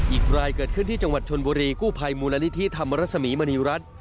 อีกรายเกิดขึ้นที่จังหวัดชนบุรีกู้ภัยมูลนิธิธรรมรสมีมณีรัฐ